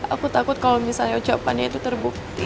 aku takut kalau misalnya ucapannya itu terbukti